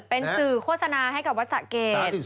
เป็นสื่อโฆษณาให้กับวัดสะเกด